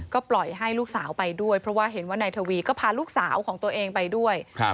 ก็ปล่อยให้ลูกสาวไปด้วยเพราะว่าเห็นว่านายทวีก็พาลูกสาวของตัวเองไปด้วยครับ